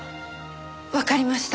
わかりました。